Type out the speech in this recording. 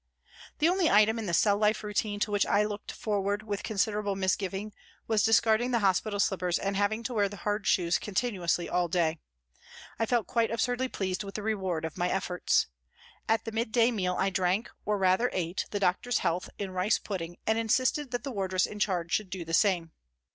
The only item in the cell life routine to which I looked forward with considerable misgiving was discarding the hospital slippers and having to wear the hard shoes continuously all day. I felt quite absurdly pleased with the reward of my efforts. At the mid day meal I drank, or rather ate, the doctor's health in rice pudding and insisted that the wardress 176 PRISONS AND PRISONERS in charge should do the same.